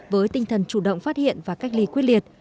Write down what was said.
với tinh thần chủ động phát hiện và cách ly quyết liệt